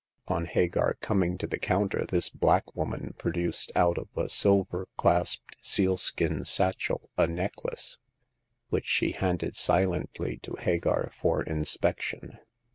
On Hagar coming to the counter this black woman produced out of a silver clasped sealskin satchel a necklace, which she handed silently to Hagar for inspection.